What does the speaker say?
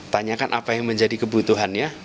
tanyakan apa yang menjadi kebutuhannya